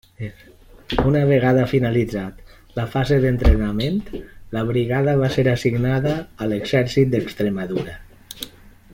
Una vegada finalitzat la fase d'entrenament, la brigada va ser assignada a l'Exèrcit d'Extremadura.